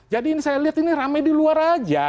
jadi ini saya lihat ini rame di luar aja